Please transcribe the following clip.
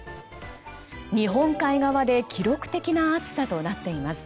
日本海側で記録的な暑さとなっています。